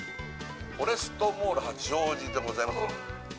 フォレストモール八王子でございます